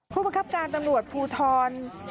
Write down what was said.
ผู้ประคับการจังหวัดภูทร